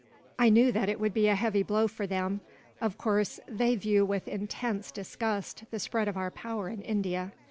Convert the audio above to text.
"I knew that it would be a heavy blow for them. Of course, they view with intense disgust the spread of our power in India.